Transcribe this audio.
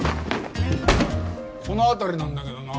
この辺りなんだけどな。